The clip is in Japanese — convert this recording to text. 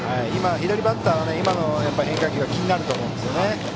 左バッターは今の変化球が気になると思うんですね。